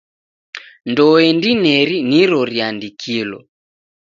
Ndoe ndineri niro riandikilo.